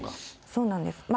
そうなんです。